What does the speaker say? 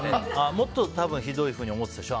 もっとひどいふうに思ってたでしょ？